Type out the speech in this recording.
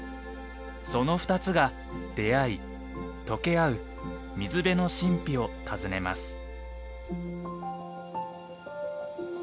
その２つが出会い溶け合う水辺の神秘を訪ねます。